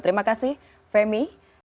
terima kasih femi